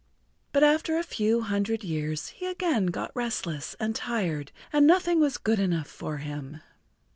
But after a few hundred years he again got restless and[Pg 70] tired and nothing was good enough for him.